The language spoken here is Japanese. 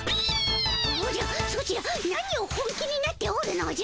おじゃソチら何を本気になっておるのじゃ。